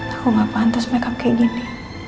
aku gak pantas makeup kayak gini